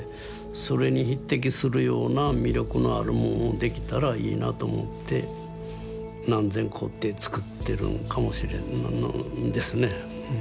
それに匹敵するような魅力のあるもんをできたらいいなと思って何千個って作ってるんかもしれんですね。